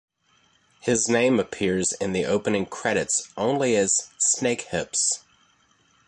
His name appears in the opening credits only as "Snake Hips".